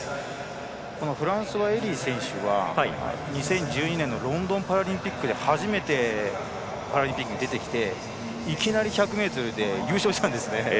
フランソワエリー選手は２０１２年のロンドンパラリンピックで初めてパラリンピックに出てきて、いきなり１００ｍで優勝したんですね。